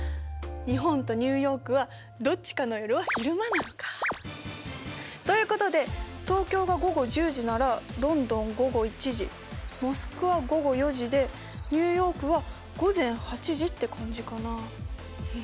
日本とニューヨークはどっちかの夜は昼間なのか。ということで東京が午後１０時ならロンドン午後１時モスクワ午後４時でニューヨークは午前８時って感じかな。